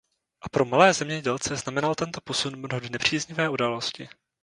A pro malé zemědělce znamenal tento posun mnohdy nepříznivé události.